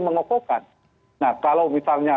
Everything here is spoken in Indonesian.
mengokokkan nah kalau misalnya